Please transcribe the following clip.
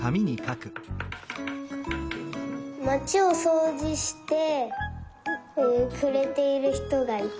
まちをそうじしてくれているひとがいた。